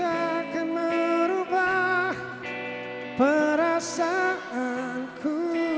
akan merubah perasaanku